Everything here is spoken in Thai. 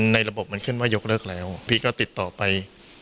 ระบบมันขึ้นว่ายกเลิกแล้วพี่ก็ติดต่อไป